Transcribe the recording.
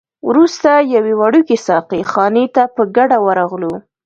وروسته یوې وړوکي ساقي خانې ته په ګډه ورغلو.